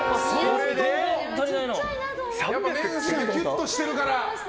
面積がキュッとしてるから。